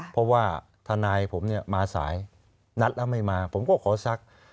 เพราะว่าธนายมาฉายนัดแล้วไม่มาผมก็ขอสัก